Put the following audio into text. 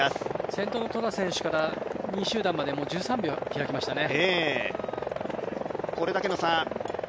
先頭のトラ選手から２位集団までは１９秒開きましたね。